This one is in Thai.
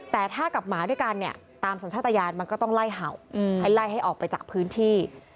แต่ถ้ากับหมาด้วยกันเนี่ยตามสัญชาติยานมันก็ต้องไล่เห่าให้ไล่ให้ออกไปจากพื้นที่